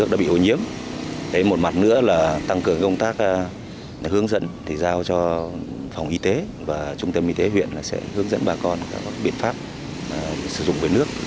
một mặt nữa là tăng cường công tác hướng dẫn thì giao cho phòng y tế và trung tâm y tế huyện sẽ hướng dẫn bà con các biện pháp sử dụng về nước